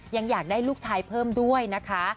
อยากได้ลูกชายเพิ่มด้วยนะคะ